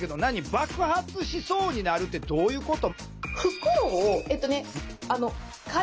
爆発しそうになるってどういうこと？